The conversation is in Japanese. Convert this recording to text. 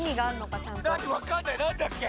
何分かんない何だっけ？